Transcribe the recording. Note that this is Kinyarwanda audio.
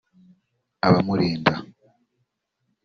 abamurinda